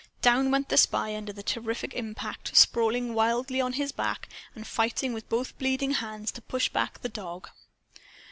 Down went the spy, under the terrific impact, sprawling wildly on his back, and fighting with both bleeding hands to push back the dog.